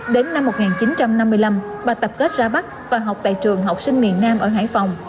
đến năm một nghìn chín trăm năm mươi năm bà tập kết ra bắc và học tại trường học sinh miền nam ở hải phòng